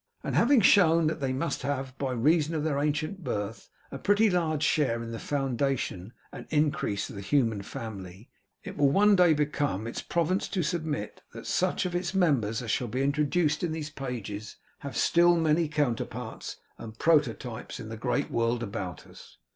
And having shown that they must have had, by reason of their ancient birth, a pretty large share in the foundation and increase of the human family, it will one day become its province to submit, that such of its members as shall be introduced in these pages, have still many counterparts and prototypes in the Great World about us.